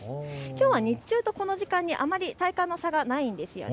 きょうは日中とこの時間にあまり体感の差がないんです。